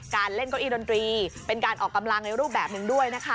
เล่นเก้าอี้ดนตรีเป็นการออกกำลังในรูปแบบหนึ่งด้วยนะคะ